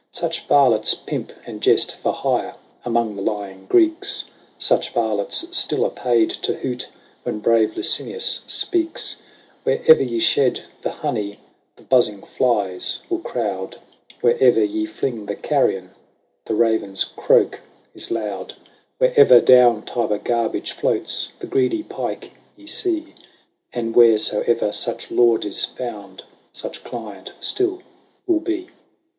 Such varlets pimp and jest for hire among the lying Greeks: Such varlets still are paid to hoot when brave Licinius speaks. Where'er ye shed the honey, the buzzing flies will crowd ; Where'er ye fling the carrion, the raven's croak is loud ; VIRGINIA. 159 Where'er down Tiber garbage floats, the greedy pike ye see ; And wheresoe'er such lord is found, such client still will be.